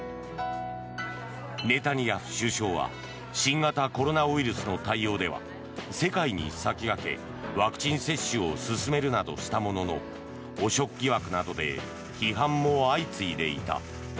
ネタニヤフ首相は新型コロナウイルスの対応では世界に先駆け、ワクチン接種を進めるなどしたものの汚職疑惑などで批判も相次いでいた。